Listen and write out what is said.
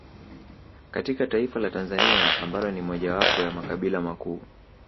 Katika taifa la Tanzania ambalo ni mojawapo ya makabila makuu